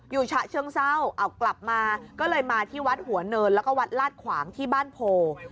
ฉะเชิงเศร้าเอากลับมาก็เลยมาที่วัดหัวเนินแล้วก็วัดลาดขวางที่บ้านโพ